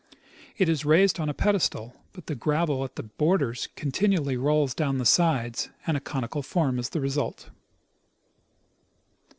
It is raised on a pedestal, but the gravel at the borders continually rolls down the sides and a conical form is the result.